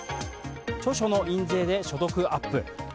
著書の印税で所得アップ。